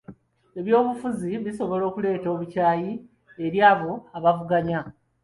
Ebyobufuzi bisobola okuleeta obukyayi eri abo abavuganya.